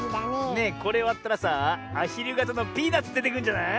これわったらさあアヒルがたのピーナツでてくるんじゃない？